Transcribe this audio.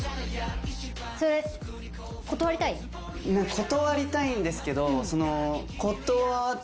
断りたいんですけど。